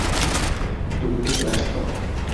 তুমি ভেতরে আসতে পারো।